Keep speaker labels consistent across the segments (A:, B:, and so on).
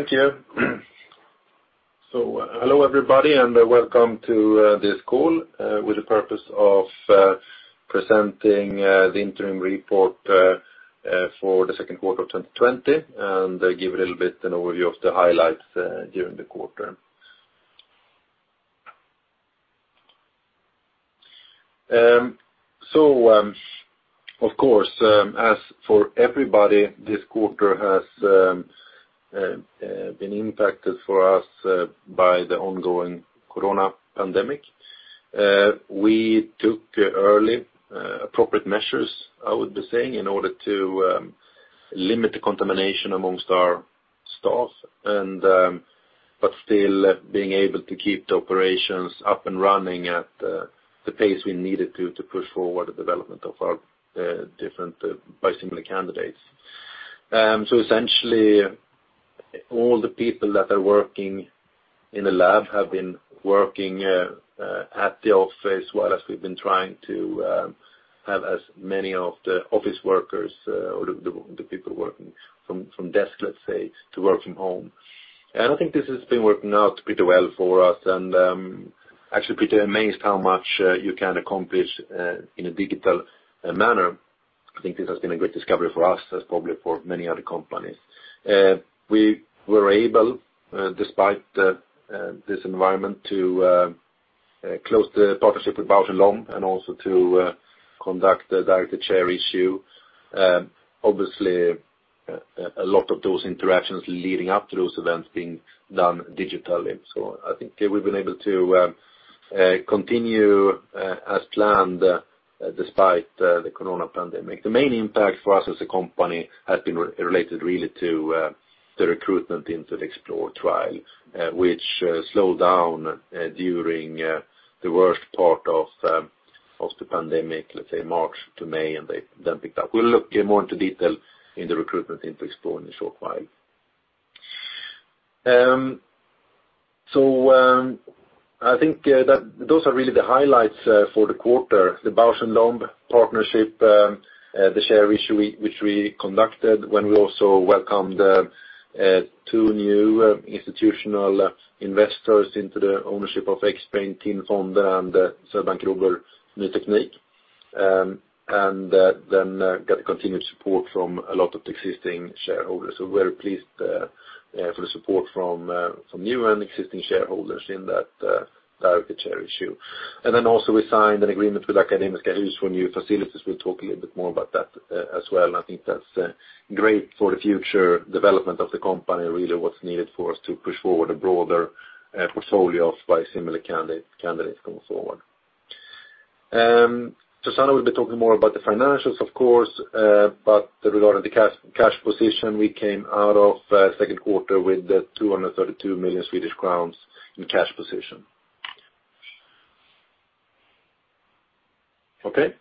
A: Thank you. Hello, everybody, welcome to this call with the purpose of presenting the interim report for the second quarter of 2020, and give a little bit an overview of the highlights during the quarter. Of course, as for everybody, this quarter has been impacted for us by the ongoing COVID pandemic. We took early, appropriate measures, I would be saying, in order to limit the contamination amongst our staff, still being able to keep the operations up and running at the pace we needed to push forward the development of our different biosimilar candidates. Essentially, all the people that are working in the lab have been working at the office, while as we've been trying to have as many of the office workers or the people working from desk, let's say, to work from home. I think this has been working out pretty well for us, and I'm actually pretty amazed how much you can accomplish in a digital manner. I think this has been a great discovery for us, as probably for many other companies. We were able, despite this environment, to close the partnership with Bausch + Lomb, and also to conduct the directed share issue. Obviously, a lot of those interactions leading up to those events being done digitally. I think we've been able to continue as planned despite the COVID pandemic. The main impact for us as a company has been related really to the recruitment into the XPLORE trial, which slowed down during the worst part of the pandemic, let's say March to May, and then picked up. We'll look more into detail in the recruitment into XPLORE in a short while. I think those are really the highlights for the quarter, the Bausch + Lomb partnership, the share issue which we conducted, when we also welcomed two new institutional investors into the ownership of Xbrane, TIN Fonder and Swedbank Robur Ny Teknik. Then got the continued support from a lot of the existing shareholders. We're pleased for the support from new and existing shareholders in that directed share issue. Then also we signed an agreement with Akademiska Hus for new facilities. We'll talk a little bit more about that as well. I think that's great for the future development of the company, really what's needed for us to push forward a broader portfolio of biosimilar candidates going forward. Susanna will be talking more about the financials, of course, but regarding the cash position, we came out of second quarter with 232 million Swedish crowns in cash position. Okay.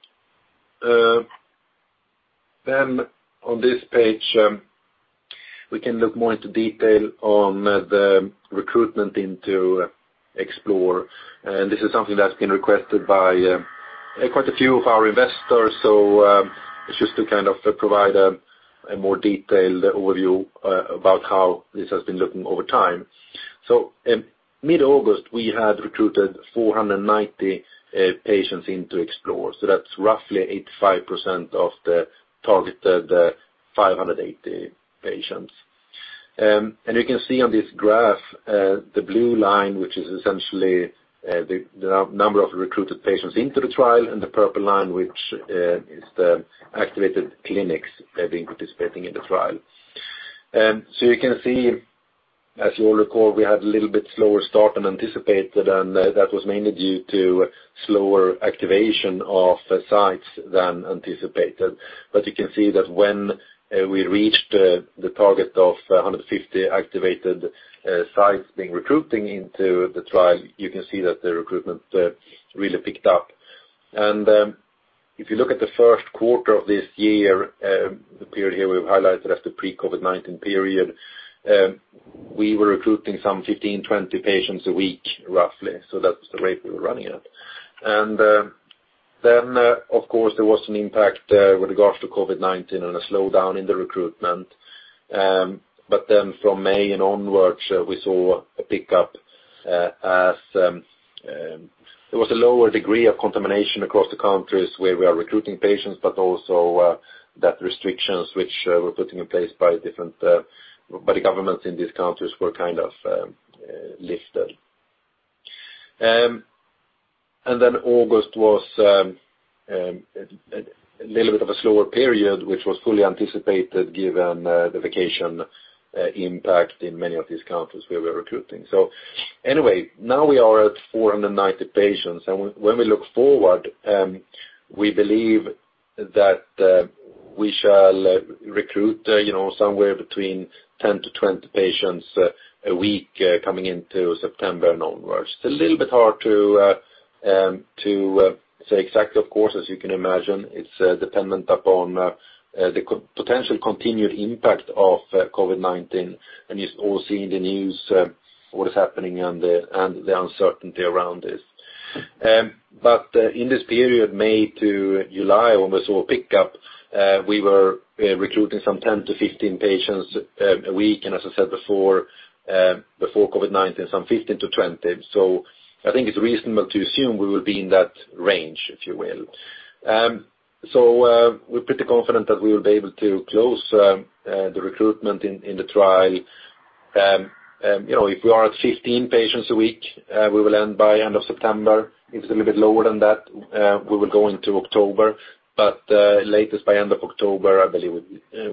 A: On this page, we can look more into detail on the recruitment into XPLORE. This is something that's been requested by quite a few of our investors. It's just to provide a more detailed overview about how this has been looking over time. In mid-August, we had recruited 490 patients into XPLORE. That's roughly 85% of the targeted 580 patients. You can see on this graph, the blue line, which is essentially the number of recruited patients into the trial, and the purple line, which is the activated clinics participating in the trial. You can see, as you all recall, we had a little bit slower start than anticipated, and that was mainly due to slower activation of sites than anticipated. You can see that when we reached the target of 150 activated sites being recruiting into the trial, you can see that the recruitment really picked up. If you look at the first quarter of this year, the period here we've highlighted as the pre-COVID-19 period, we were recruiting some 15, 20 patients a week, roughly. That's the rate we were running at. Of course, there was an impact with regards to COVID-19 and a slowdown in the recruitment. From May and onwards, we saw a pickup as there was a lower degree of contamination across the countries where we are recruiting patients, but also that restrictions which were putting in place by the governments in these countries were kind of lifted. August was a little bit of a slower period, which was fully anticipated given the vacation impact in many of these countries where we're recruiting. Now we are at 490 patients. When we look forward, we believe that we shall recruit somewhere between 10-20 patients a week coming into September onwards. It's a little bit hard to say exactly, of course, as you can imagine. It's dependent upon the potential continued impact of COVID-19. You all see in the news what is happening and the uncertainty around this. In this period, May to July, when we saw a pickup, we were recruiting some 10-15 patients a week. As I said before COVID-19, some 15-20. I think it's reasonable to assume we will be in that range, if you will. We're pretty confident that we will be able to close the recruitment in the trial. If we are at 15 patients a week, we will end by end of September. If it's a little bit lower than that, we will go into October. Latest by end of October, I believe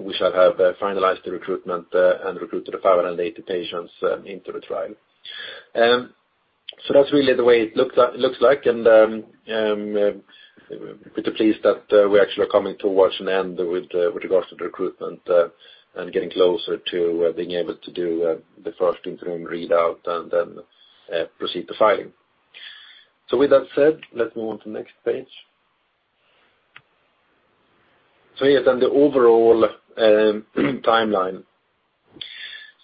A: we shall have finalized the recruitment and recruited the 580 patients into the trial. That's really the way it looks like, and I'm pretty pleased that we actually are coming towards an end with regards to the recruitment and getting closer to being able to do the first interim readout and then proceed to filing. With that said, let's move on to next page. Yes, the overall timeline.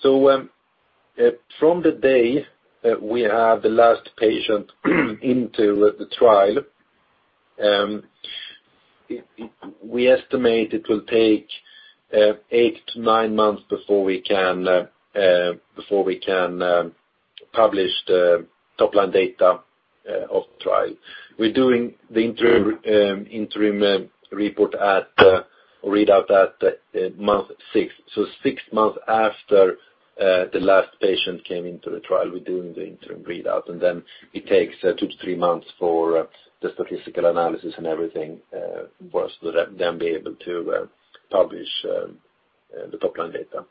A: From the day that we have the last patient into the trial we estimate it will take eight to nine months before we can publish the top-line data of the trial. We're doing the interim report readout at month six. Six months after the last patient came into the trial, we're doing the interim readout, and then it takes two to three months for the statistical analysis and everything for us to then be able to publish the top-line data.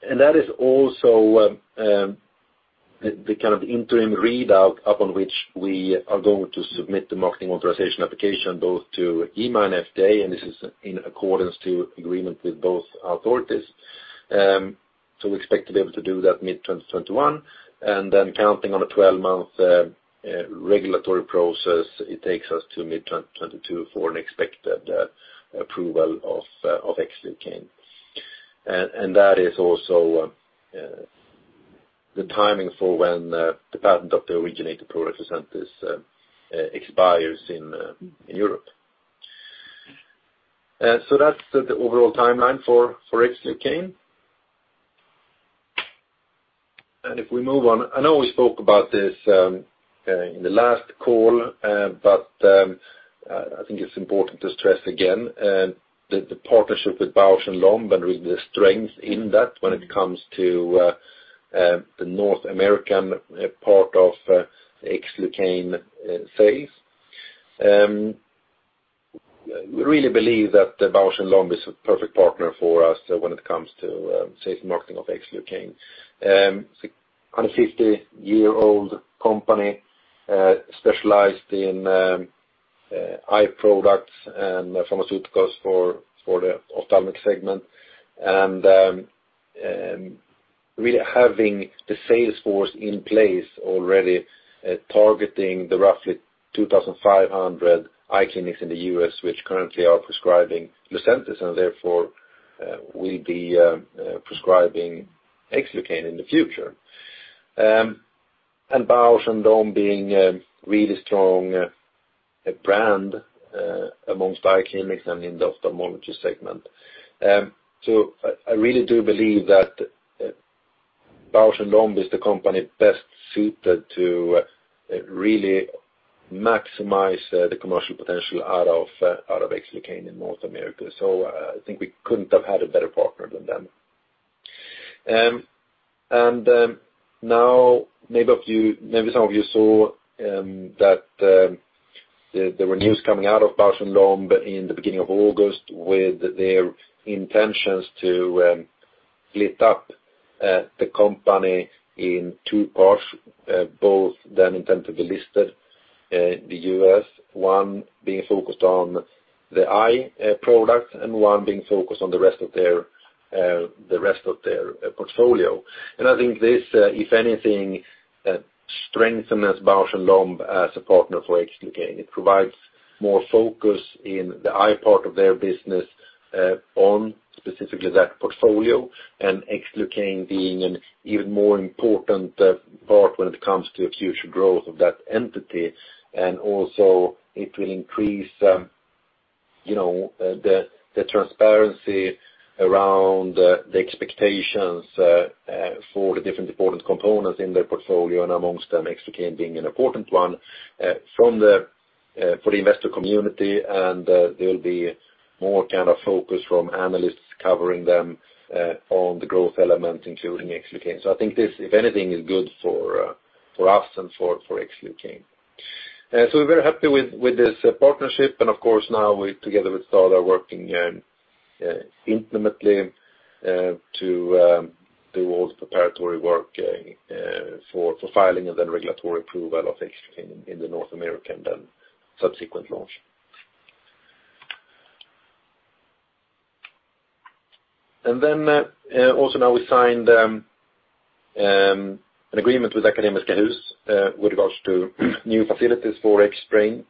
A: That is also the kind of interim readout upon which we are going to submit the marketing authorization application both to EMA and FDA, and this is in accordance to agreement with both authorities. We expect to be able to do that mid-2021, and then counting on a 12-month regulatory process, it takes us to mid-2022 for an expected approval of Xlucane. That is also the timing for when the patent of the originator product, LUCENTIS, expires in Europe. That's the overall timeline for Xlucane. If we move on, I know we spoke about this in the last call, but I think it's important to stress again the partnership with Bausch + Lomb and really the strength in that when it comes to the North American part of Xlucane phase. We really believe that Bausch + Lomb is a perfect partner for us when it comes to sales and marketing of Xlucane. It's a 150-year-old company specialized in eye products and pharmaceuticals for the ophthalmic segment. Really having the sales force in place already, targeting the roughly 2,500 eye clinics in the U.S. which currently are prescribing LUCENTIS and therefore will be prescribing Xlucane in the future. Bausch + Lomb being a really strong brand amongst eye clinics and in the ophthalmology segment. I really do believe that Bausch + Lomb is the company best suited to really maximize the commercial potential out of Xlucane in North America. I think we couldn't have had a better partner than them. Now maybe some of you saw that there were news coming out of Bausch + Lomb in the beginning of August with their intentions to split up the company in two parts both then intend to be listed the U.S., one being focused on the eye product and one being focused on the rest of their portfolio. I think this, if anything, strengthens Bausch + Lomb as a partner for Xlucane. It provides more focus in the eye part of their business on specifically that portfolio, and Xlucane being an even more important part when it comes to future growth of that entity. Also, it will increase the transparency around the expectations for the different important components in their portfolio and amongst them, Xlucane being an important one for the investor community. There'll be more kind of focus from analysts covering them on the growth element including Xlucane. I think this, if anything, is good for us and for Xlucane. We're very happy with this partnership and of course now we, together with STADA, are working intimately to do all the preparatory work for filing and then regulatory approval of Xlucane in the North America and then subsequent launch. We signed an agreement with Akademiska Hus with regards to new facilities for Xbrane.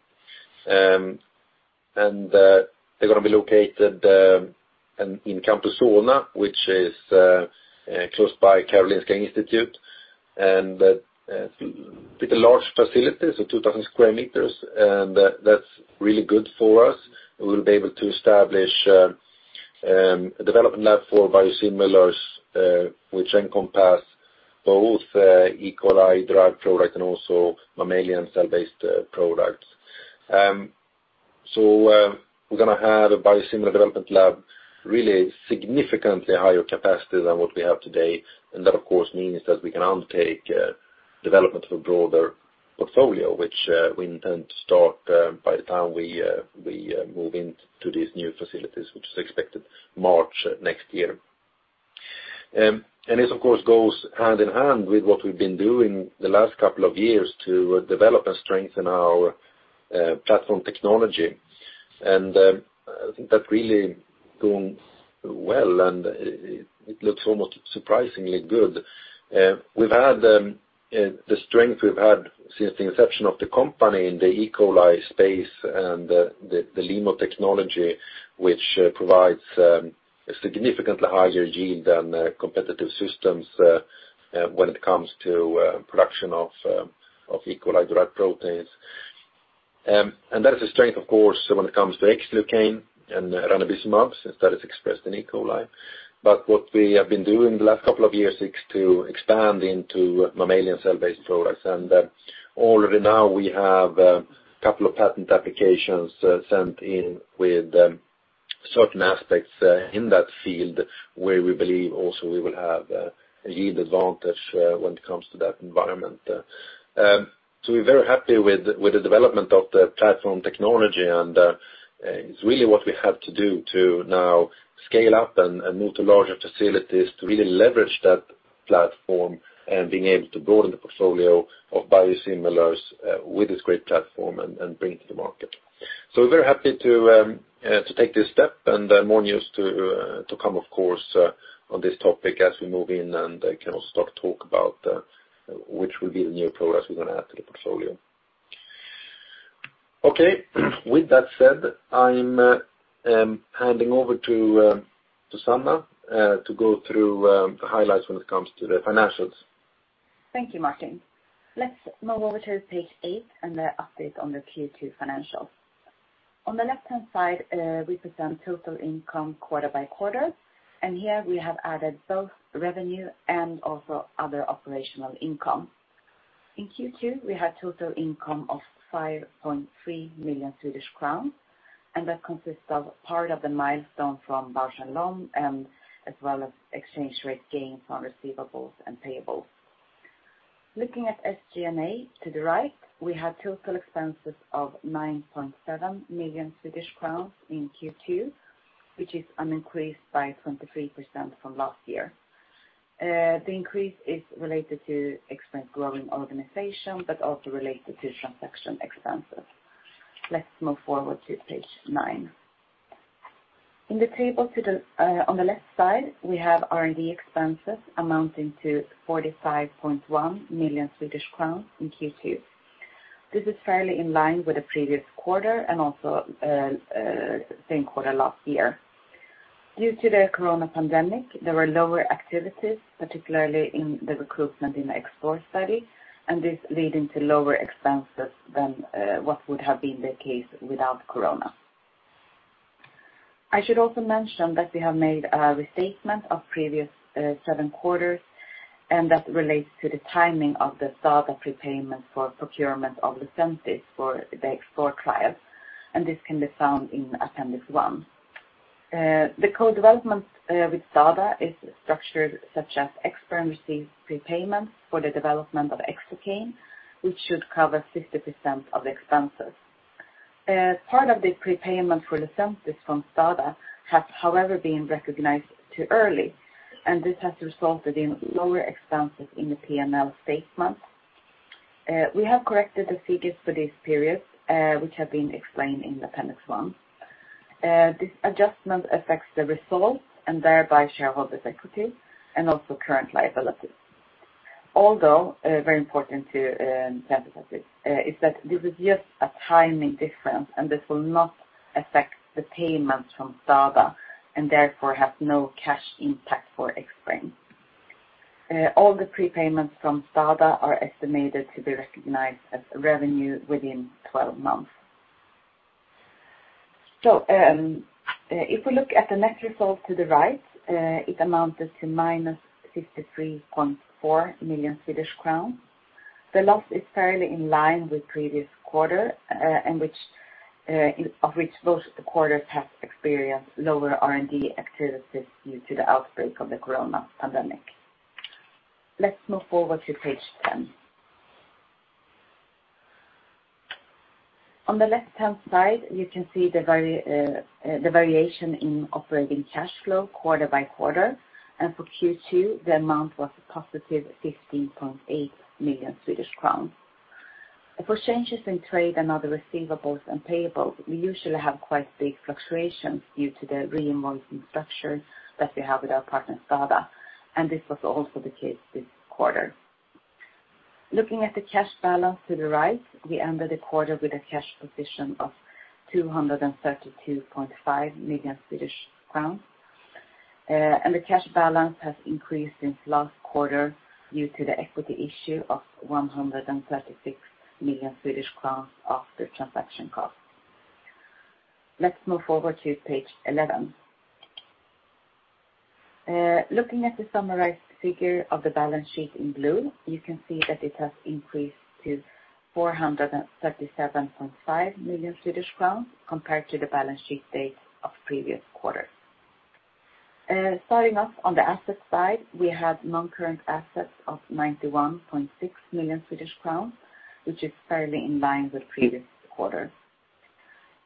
A: They're going to be located in Campus Solna, which is close by Karolinska Institutet, and it's a large facility, so 2,000 sq m. That's really good for us. We will be able to establish a development lab for biosimilars which encompass both E. coli-derived products and also mammalian cell-based products. We're going to have a biosimilar development lab, really significantly higher capacity than what we have today. That of course means that we can undertake development of a broader portfolio, which we intend to start by the time we move into these new facilities, which is expected March next year. This, of course, goes hand in hand with what we've been doing the last couple of years to develop and strengthen our platform technology. I think that really going well. It looks almost surprisingly good. The strength we've had since the inception of the company in the E. coli space and the LEMO technology, which provides a significantly higher yield than competitive systems when it comes to production of E. coli-derived proteins. That is a strength of course when it comes to Xlucane and ranibizumab, since that is expressed in E. coli. What we have been doing the last couple of years is to expand into mammalian cell-based products. Already now we have a couple of patent applications sent in with certain aspects in that field where we believe also we will have a yield advantage when it comes to that environment. We're very happy with the development of the platform technology, and it's really what we have to do to now scale up and move to larger facilities to really leverage that platform and being able to broaden the portfolio of biosimilars with this great platform and bring it to the market. We're very happy to take this step and more news to come, of course, on this topic as we move in and can start talk about which will be the new products we're going to add to the portfolio. Okay. With that said, I'm handing over to Susanna to go through the highlights when it comes to the financials.
B: Thank you, Martin. Let's move over to page eight and the update on the Q2 financials. On the left-hand side, we present total income quarter by quarter, and here we have added both revenue and also other operational income. In Q2, we had total income of 5.3 million Swedish crowns, and that consists of part of the milestone from Bausch + Lomb and as well as exchange rate gains on receivables and payables. Looking at SG&A to the right, we had total expenses of 9.7 million Swedish crowns in Q2, which is an increase by 23% from last year. The increase is related to Xbrane growing organization, but also related to transaction expenses. Let's move forward to page nine. In the table on the left side, we have R&D expenses amounting to 45.1 million Swedish crowns in Q2. This is fairly in line with the previous quarter and also same quarter last year. Due to the coronavirus pandemic, there were lower activities, particularly in the recruitment in the XPLORE study, and this leading to lower expenses than what would have been the case without coronavirus. I should also mention that we have made a restatement of previous seven quarters, and that relates to the timing of the STADA prepayment for procurement of LUCENTIS for the XPLORE trials, and this can be found in appendix one. The co-development with STADA is structured such as Xbrane receives prepayments for the development of Xlucane, which should cover 60% of expenses. Part of the prepayment for LUCENTIS from STADA has, however, been recognized too early, and this has resulted in lower expenses in the P&L statement. We have corrected the figures for this period, which have been explained in appendix one. This adjustment affects the results and thereby shareholders' equity and also current liabilities. Although, very important to emphasize it, is that this is just a timing difference and this will not affect the payments from STADA and therefore has no cash impact for Xbrane. All the prepayments from STADA are estimated to be recognized as revenue within 12 months. If we look at the net result to the right, it amounted to -53.4 million Swedish crowns. The loss is fairly in line with previous quarter, of which both quarters have experienced lower R&D activities due to the outbreak of the coronavirus pandemic. Let's move forward to page 10. On the left-hand side, you can see the variation in operating cash flow quarter by quarter, and for Q2, the amount was +15.8 million Swedish crowns. For changes in trade and other receivables and payables, we usually have quite big fluctuations due to the reimbursement structure that we have with our partner STADA, this was also the case this quarter. Looking at the cash balance to the right, we ended the quarter with a cash position of 232.5 million Swedish crowns. The cash balance has increased since last quarter due to the equity issue of 136 million Swedish crowns after transaction costs. Let's move forward to page 11. Looking at the summarized figure of the balance sheet in blue, you can see that it has increased to 437.5 million Swedish crowns compared to the balance sheet date of the previous quarter. Starting off on the assets side, we have non-current assets of 91.6 million Swedish crowns, which is fairly in line with the previous quarter.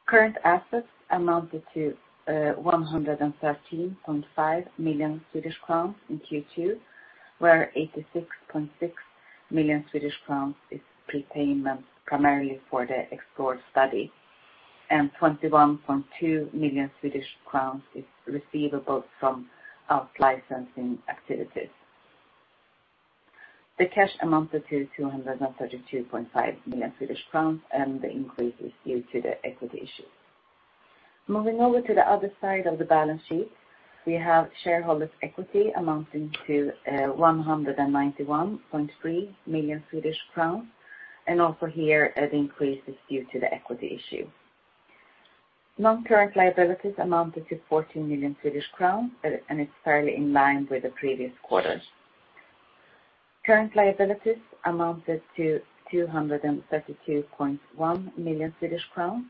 B: Current assets amounted to 113.5 million Swedish crowns in Q2, where 86.6 million Swedish crowns is prepayment, primarily for the XPLORE study. 21.2 million Swedish crowns is receivable from our licensing activities. The cash amounted to 232.5 million Swedish crowns. The increase is due to the equity issue. Moving over to the other side of the balance sheet, we have shareholders' equity amounting to 191.3 million Swedish crowns. Also here the increase is due to the equity issue. Non-current liabilities amounted to 14 million Swedish crowns, and it's fairly in line with the previous quarters. Current liabilities amounted to 232.1 million Swedish crowns,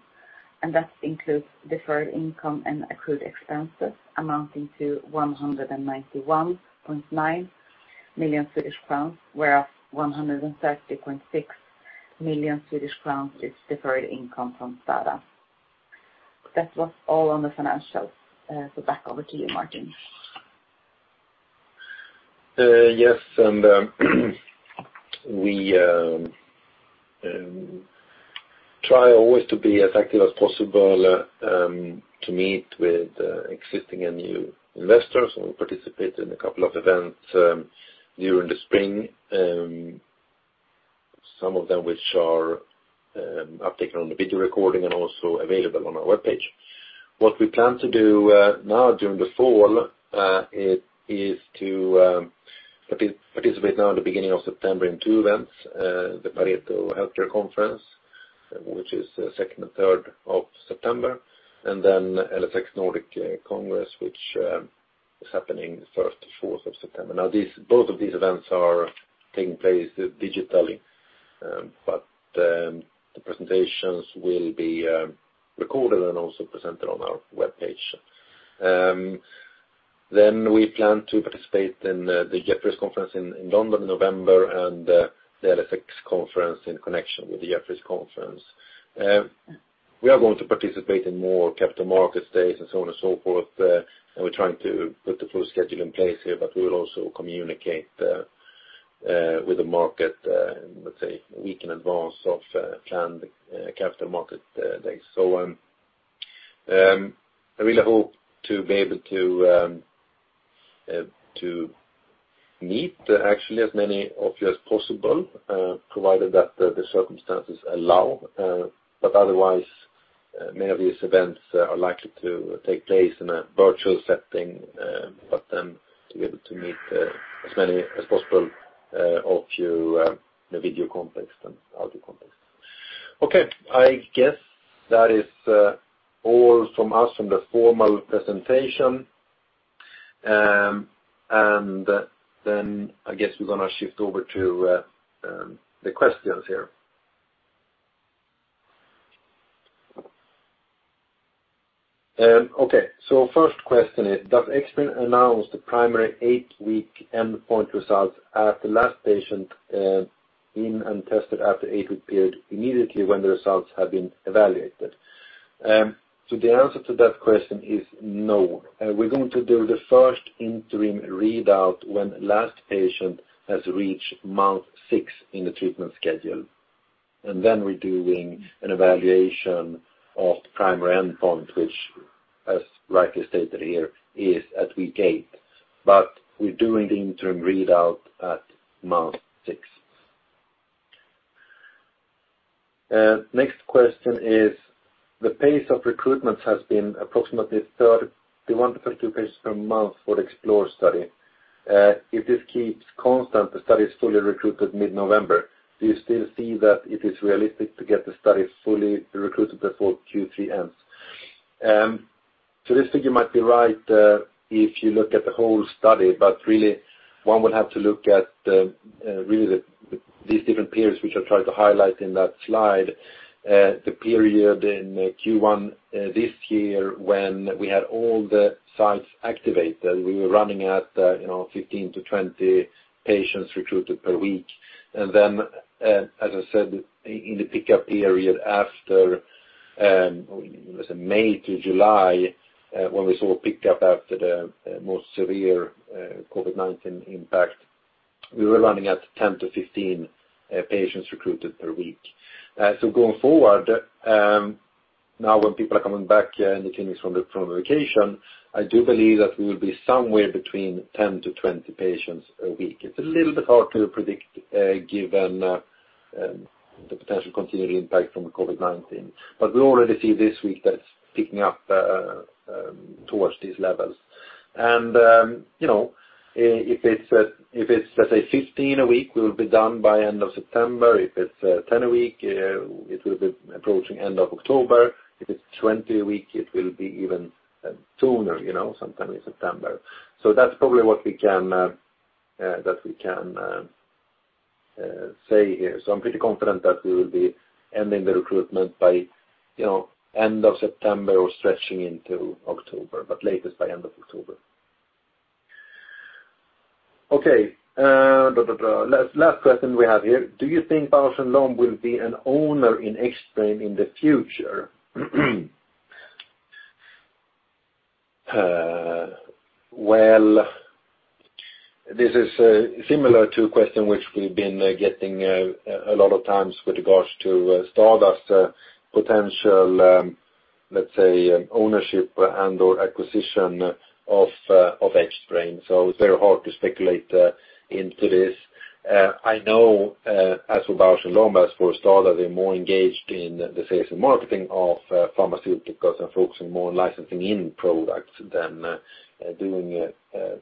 B: and that includes deferred income and accrued expenses amounting to 191.9 million Swedish crowns, where 130.6 million Swedish crowns is deferred income from STADA. That was all on the financials. Back over to you, Martin.
A: Yes. We try always to be as active as possible to meet with existing and new investors. We participated in a couple of events during the spring, some of them which are uptaken on the video recording and also available on our webpage. What we plan to do now during the fall is to participate now in the beginning of September in two events. The Pareto Securities Healthcare Conference, which is the 2nd and 3rd of September, LSX Nordic Congress, which is happening the 1st to 4th of September. Both of these events are taking place digitally. The presentations will be recorded and also presented on our webpage. We plan to participate in the Jefferies conference in London in November and the LSX conference in connection with the Jefferies conference. We are going to participate in more capital market days and so on and so forth. We're trying to put the full schedule in place here, but we'll also communicate with the market, let's say, a week in advance of planned capital market days. I really hope to be able to meet actually as many of you as possible, provided that the circumstances allow. Otherwise, many of these events are likely to take place in a virtual setting, but then to be able to meet as many as possible of you in a video context than audio context. Okay. I guess that is all from us from the formal presentation. I guess we're going to shift over to the questions here. Okay. First question is, does Xbrane announce the primary eight-week endpoint results at the last patient in and tested at the eight-week period immediately when the results have been evaluated? The answer to that question is no. We're going to do the first interim readout when last patient has reached month six in the treatment schedule. We're doing an evaluation of primary endpoint, which as rightly stated here, is at week eight. We're doing the interim readout at month six. Next question is, the pace of recruitment has been approximately 31-32 patients per month for the XPLORE study. If this keeps constant, the study is fully recruited mid-November. Do you still see that it is realistic to get the study fully recruited before Q3 ends? This figure might be right if you look at the whole study, but really one would have to look at these different periods which I tried to highlight in that slide. The period in Q1 this year when we had all the sites activated, we were running at 15-20 patients recruited per week. Then as I said in the pickup period after May to July, when we saw a pickup after the most severe COVID-19 impact, we were running at 10-15 patients recruited per week. Going forward. Now when people are coming back in the clinics from their vacation, I do believe that we will be somewhere between 10-20 patients a week. It's a little bit hard to predict given the potential continued impact from COVID-19. We already see this week that it's picking up towards these levels. If it's, let's say 15 a week, we will be done by end of September. If it's 10 a week, it will be approaching end of October. If it's 20 a week, it will be even sooner, sometime in September. That's probably what we can say here. I'm pretty confident that we will be ending the recruitment by end of September or stretching into October, but latest by end of October. Okay. Last question we have here. Do you think Bausch + Lomb will be an owner in Xbrane in the future? Well, this is similar to a question which we've been getting a lot of times with regards to STADA's potential, let's say, ownership and/or acquisition of Xbrane. It's very hard to speculate into this. I know, as with Bausch + Lomb, as for STADA, they're more engaged in the sales and marketing of pharmaceuticals and focusing more on licensing in products than doing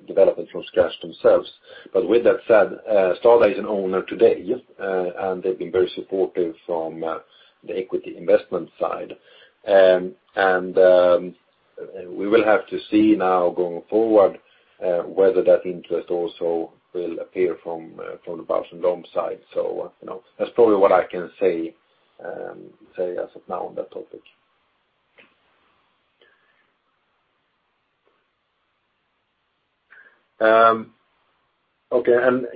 A: development from scratch themselves. With that said, STADA is an owner today, and they've been very supportive from the equity investment side. We will have to see now going forward, whether that interest also will appear from the Bausch + Lomb side. That's probably what I can say as of now on that topic.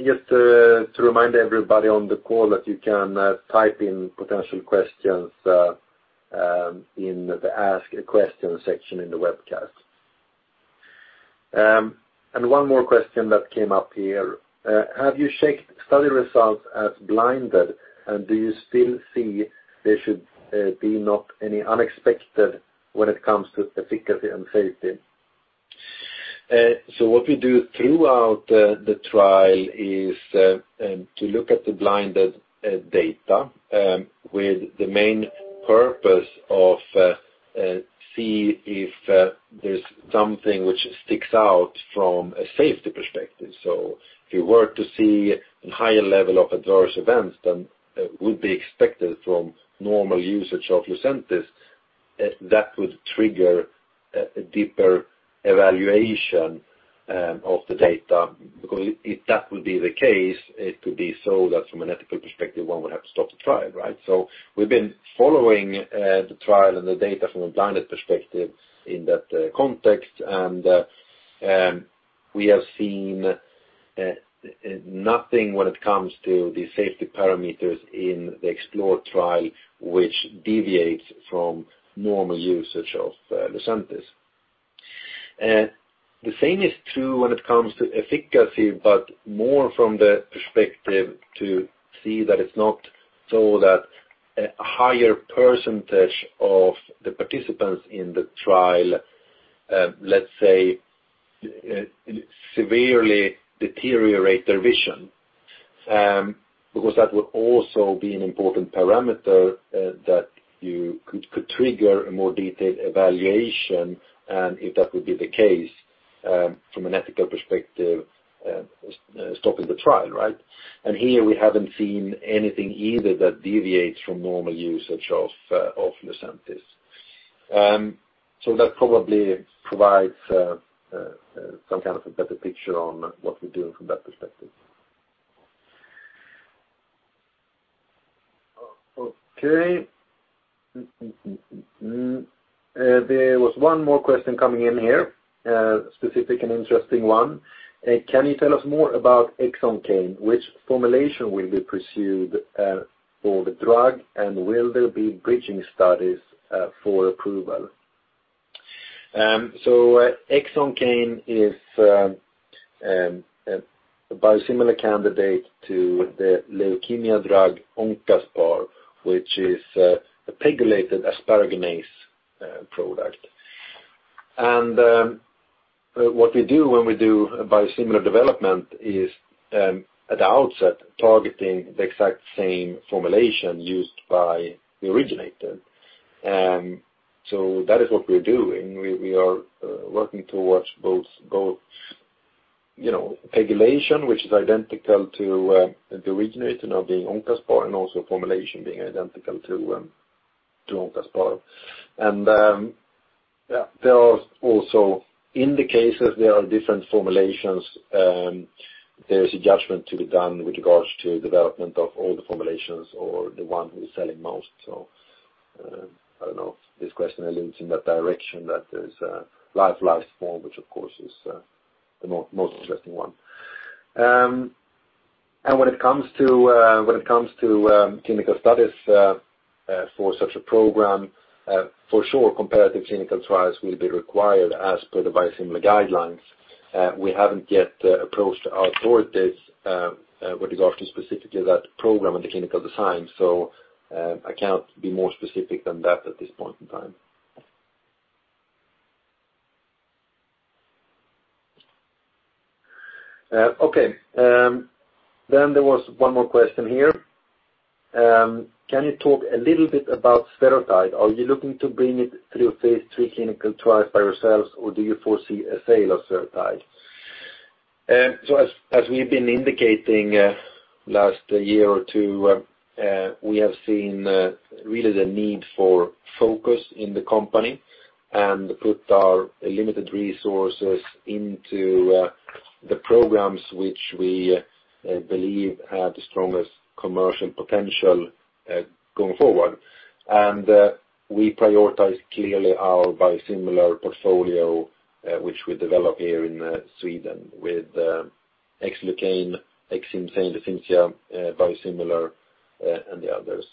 A: Just to remind everybody on the call that you can type in potential questions in the ask a question section in the webcast. One more question that came up here. Have you checked study results as blinded, and do you still see there should be not any unexpected when it comes to efficacy and safety? What we do throughout the trial is to look at the blinded data with the main purpose of see if there's something which sticks out from a safety perspective. If we were to see a higher level of adverse events than would be expected from normal usage of LUCENTIS, that would trigger a deeper evaluation of the data. If that would be the case, it could be so that from an ethical perspective, one would have to stop the trial, right? We've been following the trial and the data from a blinded perspective in that context, and we have seen nothing when it comes to the safety parameters in the XPLORE trial which deviates from normal usage of LUCENTIS. The same is true when it comes to efficacy, more from the perspective to see that it's not so that a higher percentage of the participants in the trial, let's say, severely deteriorate their vision. That would also be an important parameter that you could trigger a more detailed evaluation and if that would be the case from an ethical perspective, stopping the trial, right? Here we haven't seen anything either that deviates from normal usage of LUCENTIS. That probably provides some kind of a better picture on what we're doing from that perspective. Okay. There was one more question coming in here, a specific and interesting one. Can you tell us more about Xoncane? Which formulation will be pursued for the drug, and will there be bridging studies for approval? Xoncane is a biosimilar candidate to the leukemia drug Oncaspar, which is a pegylated asparaginase product. What we do when we do biosimilar development is, at the outset, targeting the exact same formulation used by the originator. That is what we're doing. We are working towards both PEGylation, which is identical to the originator now being Oncaspar, and also formulation being identical to Oncaspar. There are also, in the cases, there are different formulations. There is a judgment to be done with regards to development of all the formulations or the one who is selling most. I don't know if this question alludes in that direction that there is a lyophilized form, which of course is the most interesting one. When it comes to clinical studies for such a program, for sure comparative clinical trials will be required as per the biosimilar guidelines. We haven't yet approached authorities with regards to specifically that program and the clinical design. I can't be more specific than that at this point in time. Okay. There was one more question here. Can you talk a little bit about Spherotide? Are you looking to bring it through phase III clinical trials by yourselves or do you foresee a sale of Spherotide? As we've been indicating last year or two, we have seen really the need for focus in the company and put our limited resources into the programs which we believe have the strongest commercial potential going forward. We prioritize clearly our biosimilar portfolio, which we develop here in Sweden with Xlucane, Xcimzane, [Xdivane] biosimilar, and the others.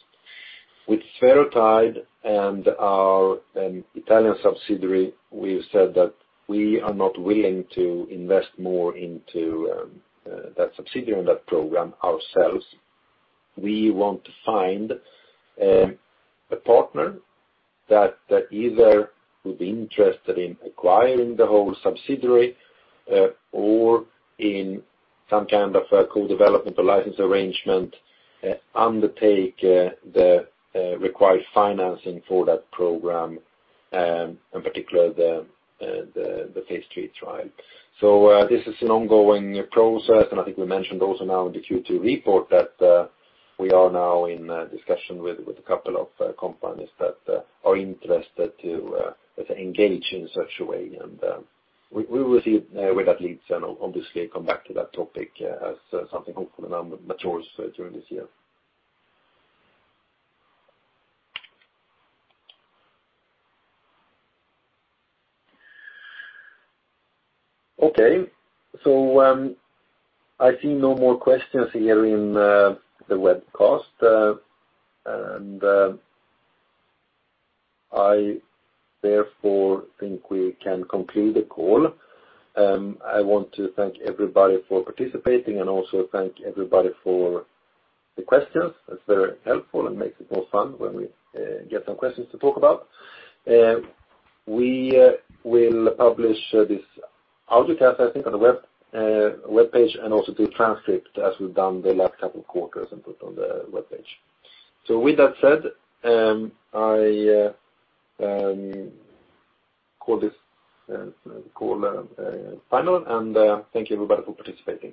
A: With Spherotide and our Italian subsidiary, we've said that we are not willing to invest more into that subsidiary and that program ourselves. We want to find a partner that either would be interested in acquiring the whole subsidiary or in some kind of a co-developmental license arrangement, undertake the required financing for that program, in particular the phase III trial. This is an ongoing process, and I think we mentioned also now in the Q2 report that we are now in discussion with a couple of companies that are interested to engage in such a way. We will see where that leads and obviously come back to that topic as something hopefully now matures during this year. Okay. I see no more questions here in the webcast. I therefore think we can conclude the call. I want to thank everybody for participating and also thank everybody for the questions. That's very helpful and makes it more fun when we get some questions to talk about. We will publish this audio cast, I think, on the webpage and also do a transcript as we've done the last couple of quarters and put on the webpage. With that said, I call this call final, and thank you everybody for participating.